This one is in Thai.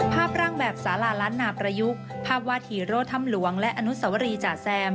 ภาพร่างแบบสาราล้านนาประยุกต์ภาพวาดฮีโร่ถ้ำหลวงและอนุสวรีจ๋าแซม